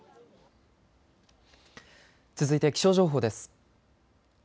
続いて気象情報です。